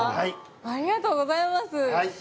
ありがとうございます。